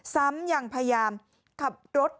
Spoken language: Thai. ซ้ำยังพยายามขับรถ